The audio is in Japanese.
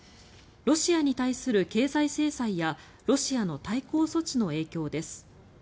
ロシアに対する経済制裁やロシアの対抗措置の影響です。